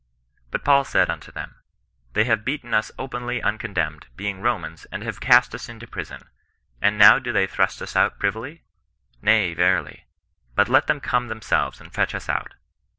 " But Paul said unto them, they have beaten us openly uncondemned, being Romans, and have cast us into prison ; and now do they thrust us out privily ? nay, verily ; but let them come themselves and fetch us out."